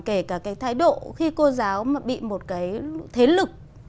kể cả cái thái độ khi cô giáo mà bị một cái thế lực